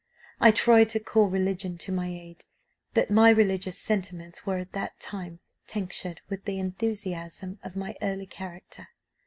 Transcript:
"I tried to call religion to my aid; but my religious sentiments were, at that time, tinctured with the enthusiasm of my early character.